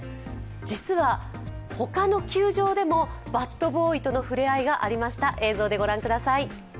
実は他の球場でもバットボーイとの触れ合いがありました。